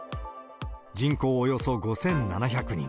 人口およそ５７００人。